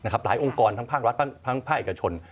องค์กรทั้งภาครัฐทั้งภาคเอกชน